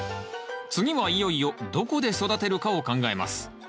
次はいよいよどこで育てるかを考えます。